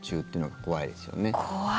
怖いですよね。